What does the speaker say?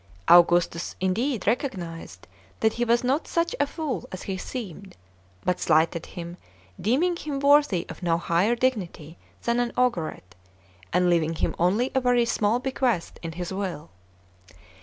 Augustus, indeed, recognised that he was not such a fool as he seemed, but slighted him, deeming him worthy of no higher dignity than an augurate, and leaving him only a very small bequest in his will.